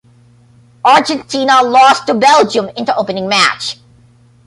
Argentina lost to Belgium in the opening match.